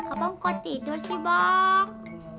abang kok tidur sih bang